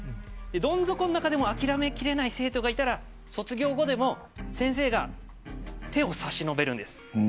どん底の中でも諦め切れない生徒がいたら卒業後でも先生が手を差し伸べるんです。